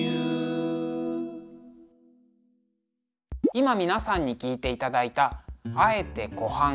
今皆さんに聴いていただいた「敢えて湖畔」。